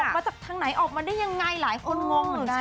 มาจากทางไหนออกมาได้ยังไงหลายคนงงเหมือนกัน